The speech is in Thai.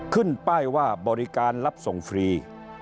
ขึ้นป้ายว่าบริการรับส่งฟรี